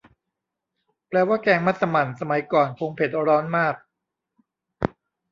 แปลว่าแกงมัสหมั่นสมัยก่อนคงเผ็ดร้อนมาก